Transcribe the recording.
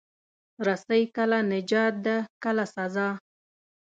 رسۍ کله نجات ده، کله سزا.